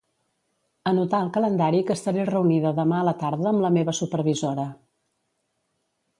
Anotar al calendari que estaré reunida demà a la tarda amb la meva supervisora.